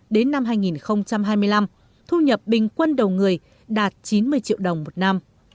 đến năm hai nghìn hai mươi năm thu nhập bình quân đầu người đạt chín mươi triệu đồng một năm